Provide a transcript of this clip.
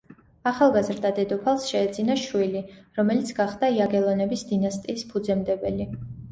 ახალგაზრდა დედოფალს შეეძინა შვილი, რომელიც გახდა იაგელონების დინასტიის ფუძემდებელი.